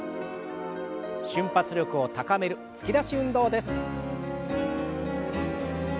瞬発力を高める突き出し運動です。